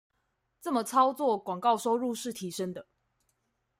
這麼操作廣告收入是提升的